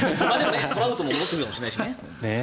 トラウトも戻ってくるかもしれないしね。